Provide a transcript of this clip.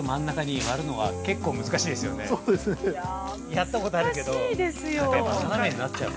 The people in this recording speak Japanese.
◆やったことあるけどやっぱ斜めになっちゃう。